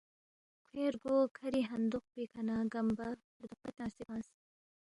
کھوے رگو کَھری ہندوق پیکھہ نہ گمبِنگ ردوقپہ تنگسے فنگس